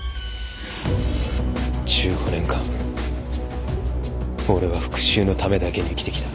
１５年間俺は復讐のためだけに生きてきた。